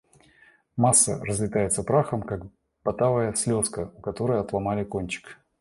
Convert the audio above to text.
Масса разлетается прахом, как батавская слезка, у которой отломали кончик.